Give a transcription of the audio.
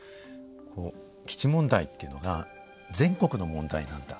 基地問題っていうのが全国の問題なんだ。